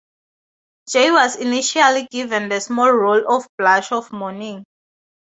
Jay was initially given the small role of Blush-of-Morning.